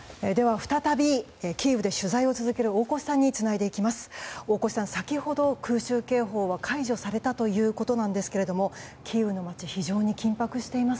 再び、キーウで取材を続ける大越さんとつないでいきます。